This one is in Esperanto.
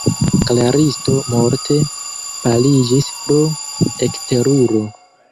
Klaristo morte paliĝis pro ekteruro.